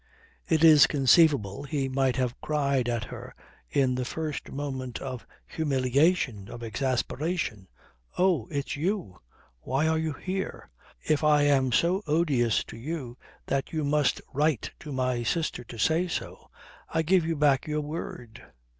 It is conceivable he might have cried at her in the first moment of humiliation, of exasperation, "Oh, it's you! Why are you here? If I am so odious to you that you must write to my sister to say so, I give you back your word."